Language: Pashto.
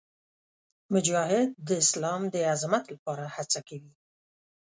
مجاهد د اسلام د عظمت لپاره هڅه کوي.